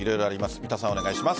三田さん、お願いします。